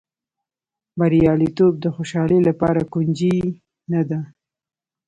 بریالیتوب د خوشالۍ لپاره کونجي نه ده.